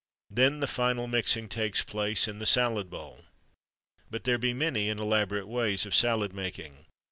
Then the final mixing takes place, in the salad bowl. But there be many and elaborate ways of salad making.